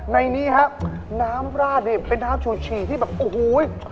ในนี่น้ำลาดเป็นน้ำชูชีที่แบบโห๋